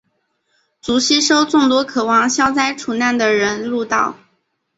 遂吸收众多渴望消灾除难的人入道。